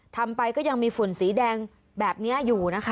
ทำไปก็ยังมีฝุ่นสีแดงแบบนี้อยู่นะคะ